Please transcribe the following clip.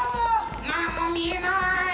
なんもみえない！